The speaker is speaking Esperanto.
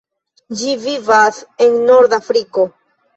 Ĝi vivas en Nordafriko.